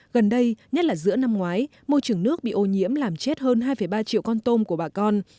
gần đây nhất là giữa năm ngoái môi trường nước bị ô nhiễm làm chết hơn hai ba triệu con tôm của bà con